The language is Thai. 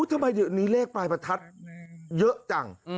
ทำไมเดี๋ยวนี้เลขปลายประทัดเยอะจัง